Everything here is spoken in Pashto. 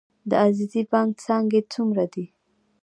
د عزیزي بانک څانګې څومره دي؟